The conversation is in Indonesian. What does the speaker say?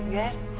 tiada apa apa kak